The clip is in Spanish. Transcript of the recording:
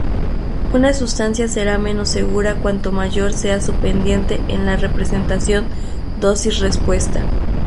Una sustancia será menos segura cuanto mayor sea su pendiente en la representación dosis-respuesta.